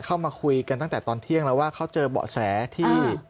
เข้ามาคุยกันตั้งแต่ตอนเที่ยงแล้วว่าเขาเจอเบาะแสที่